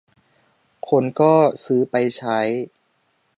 คนก็ซื้อไปใช้